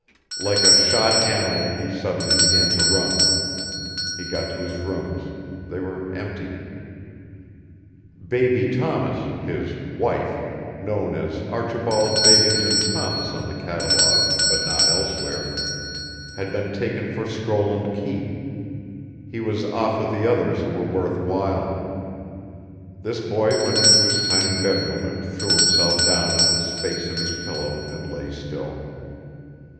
Like a shot animal he suddenly began to run. He got to his rooms; they were empty; Baby Thomas, his "wife," known as Archibald Babington Thomas on the catalogue, but not elsewhere, had been taken for Scroll and Key; he was off with the others who were worth while. This boy went into his tiny bedroom and threw himself down with his face in his pillow and lay still.